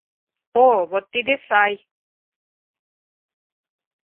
— О, вот тиде сай!